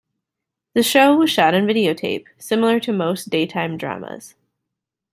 The show was shot on videotape, similar to most daytime dramas.